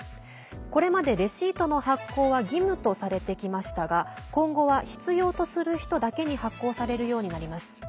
これまでレシートの発行は義務とされてきましたが今後は必要とする人だけに発行されるようになります。